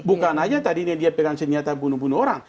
bukan saja tadi dia pegang senjata bunuh bunuh orang